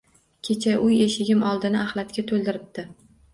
Kecha uy eshigim oldini axlatga to`ldiribdi